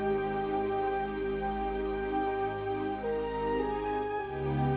ratu rata masuk dimasukkan